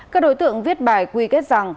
các đối tượng viết bài quy kết rằng